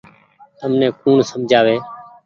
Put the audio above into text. تمني ڪوڻ سمجها وي ۔